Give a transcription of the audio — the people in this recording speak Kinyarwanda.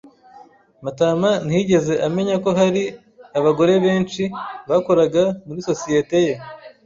Matama ntiyigeze amenya ko hari abagore benshi bakoraga muri sosiyete ye.